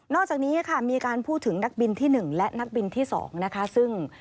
อกจากนี้ค่ะมีการพูดถึงนักบินที่๑และนักบินที่๒นะคะซึ่ง